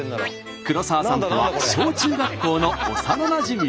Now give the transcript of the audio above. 黒沢さんとは小中学校の幼なじみです。